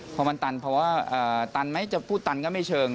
พอมันตันเพราะว่าตันไหมจะพูดตันก็ไม่เชิง